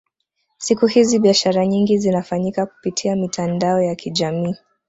siku hizi biashara nyingi zinafanyika kupitia mitandao ya kijamii